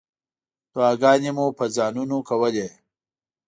دعاګانې مو په ځانونو کولې.